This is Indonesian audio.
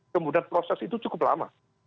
kemudian proses itu cukup lama